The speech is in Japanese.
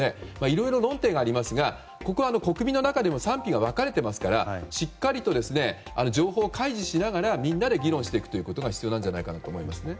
いろいろ論点がありますがここは国民の中でも賛否が分かれていますからしっかりと情報を開示しながらみんなで議論していくことが必要じゃないかと思いますね。